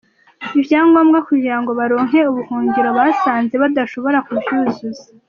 "Ivyangombwa kugira ngo baronke ubuhungiro basanze badashobora kuvyuzuza.